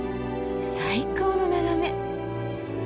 最高の眺め！